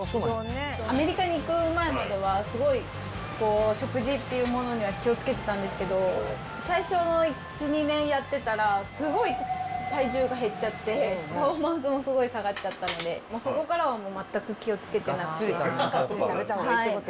アメリカに行く前までは、すごい食事っていうものには気をつけてたんですけど、最初の１、２年やってたら、すごい体重が減っちゃって、パフォーマンスもすごい下がっちゃったので、そこからはもう全く気をつけてないです。